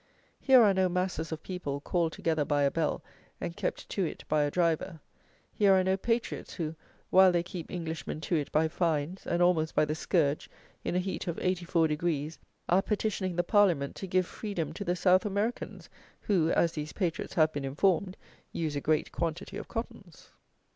Here are no masses of people, called together by a bell, and "kept to it" by a driver; here are no "patriots," who, while they keep Englishmen to it by fines, and almost by the scourge, in a heat of 84 degrees, are petitioning the Parliament to "give freedom" to the South Americans, who, as these "patriots" have been informed, use a great quantity of cottons!